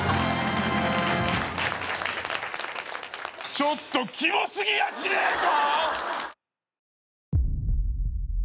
ちょっとキモ過ぎやしねえか！？